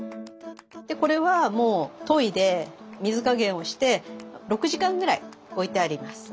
でこれはもうといで水加減をして６時間ぐらい置いてあります。